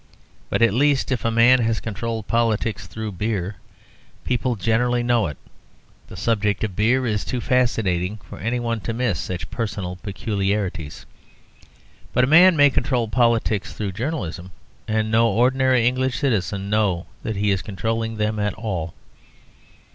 But at least, if a man has controlled politics through beer, people generally know it: the subject of beer is too fascinating for any one to miss such personal peculiarities. But a man may control politics through journalism, and no ordinary English citizen know that he is controlling them at all.